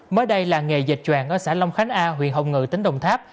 mới đây làng nghề dệt tròn ở xã long khánh a huyện hồng ngự tỉnh đồng tháp